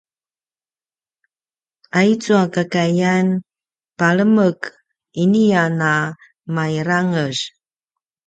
aicu a kakaiyan palemek ini a na mairangez